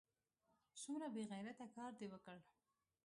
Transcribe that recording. څومره بې غیرته کار دې وکړ!